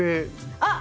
あっ！